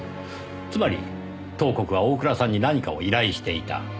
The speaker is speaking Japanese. つまり東国は大倉さんに何かを依頼していた。